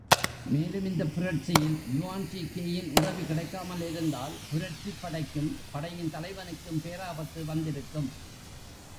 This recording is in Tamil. மேலும் இந்த புரட்சியில் யுவான் ஷி கேயின் உதவி கிடைக்காமலிருந்தால் புரட்சி படைக்கும், படையின் தலைவனுக்கும் பேராபத்து வந்திருக்கும்.